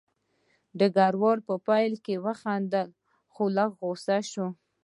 ډګروال په پیل کې وخندل خو لږ غوسه شو